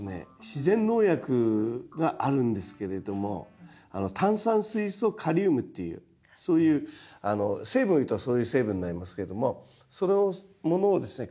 自然農薬があるんですけれども炭酸水素カリウムっていうそういうあの成分をいうとそういう成分になりますけれどもそれをものをですね